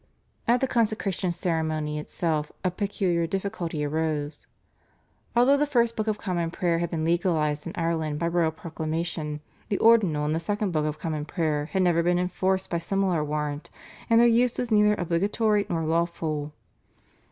At the consecration ceremony itself a peculiar difficulty arose. Although the First Book of Common Prayer had been legalised in Ireland by royal proclamation, the Ordinal and the Second Book of Common Prayer had never been enforced by similar warrant, and their use was neither obligatory nor lawful.